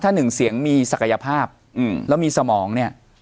ถ้าหนึ่งเสียงมีศักยภาพแล้วมีสมองเนี่ย